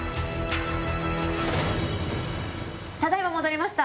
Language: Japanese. ただ今戻りました！